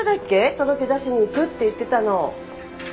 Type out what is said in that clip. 届け出しに行くって言ってたの。